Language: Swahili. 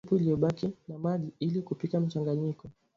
Ongeza supu iliyobaki na maji ili kupika mchanganyiko